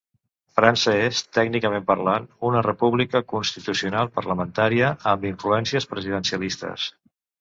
França és, tècnicament parlant, una república constitucional parlamentària amb influències presidencialistes.